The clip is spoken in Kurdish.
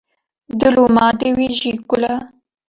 dil û madê wî jî kul e.